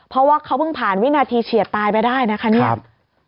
เพราะว่าเขาเพิ่งผ่านวินาทีเฉียดตายไปได้นะคะเนี่ย